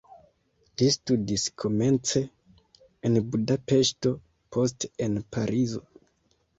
Li studis komence en Budapeŝto, poste en Parizo.